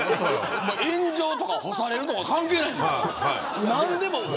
炎上とか干されるとか関係ない。